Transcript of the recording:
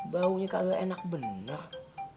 baunya kagak enak benar